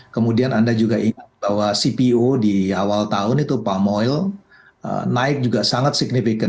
kemudian anda juga ingat bahwa cpo di awal tahun itu palm oil naik juga sangat signifikan